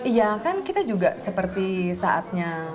iya kan kita juga seperti saatnya